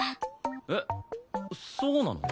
えっそうなの？